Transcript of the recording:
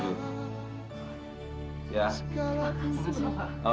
terima kasih tuhan